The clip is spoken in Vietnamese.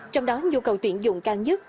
trong đó nhu cầu tuyển dụng cao nhất